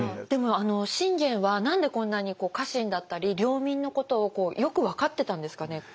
でも信玄は何でこんなに家臣だったり領民のことをよく分かってたんですかね？